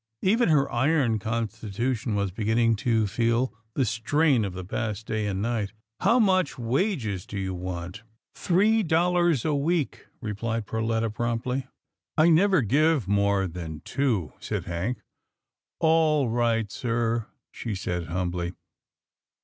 Even her iron constitution was be ginning to feel the strain of the past day and night. " How much wages do you want? "" Three dollars a week," replied Perletta promptly. RETURN OF THE TREASURES 209 " I never give more than two," said Hank. " All right, sir," she said humbly.